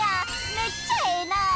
めっちゃええな！